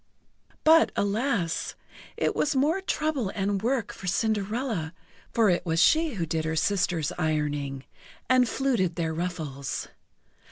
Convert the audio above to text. But, alas! it was more trouble and work for Cinderella, for it was she who did her sisters' ironing, and fluted their ruffles.